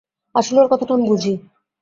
আসলে, ওর কথাটা আমি বুঝি।